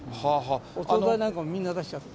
お総菜なんかもみんな出しちゃって。